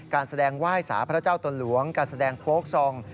การแสดงไหว้สาพระเจ้าตนหลวงการแสดงโค้กซอง